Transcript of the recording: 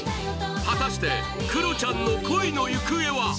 果たしてクロちゃんの恋の行方は？